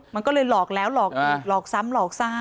มันก็เลยหลอกแล้วหลอกอีกหลอกซ้ำหลอกซ่า